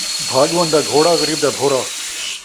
بھاڳوند دا گھوڑا، غریب دا بھورا